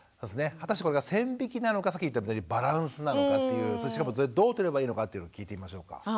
果たしてこれが線引きなのかさっき言ったバランスなのかっていうしかもそれどうとればいいのかっていうのを聞いてみましょうか。